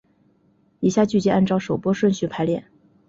以下剧集按照首播顺序排列。